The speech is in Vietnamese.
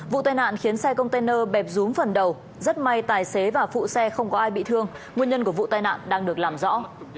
vụ tai nạn khiến xe container bẹp rúm phần đầu rất may tài xế và phụ xe không có ai bị thương nguyên nhân của vụ tai nạn đang được làm rõ